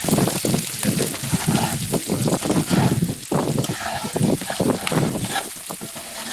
Pia Lady Jay Dee kuwa msanii ndiye aliyeshirikishwa zaidi na wasanii wengine kuwa na